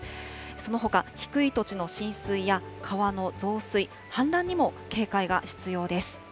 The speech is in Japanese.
そのほか、低い土地の浸水や川の増水、氾濫にも警戒が必要です。